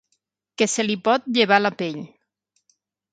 Que se li pot llevar la pell.